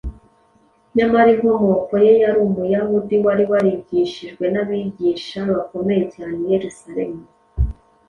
nyamara inkomoko ye yari Umuyahudi wari warigishirijwe n’abigisha bakomeye cyane i Yerusalemu.